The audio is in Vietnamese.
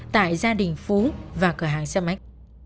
tại gia đình phú và cửa hàng xe máy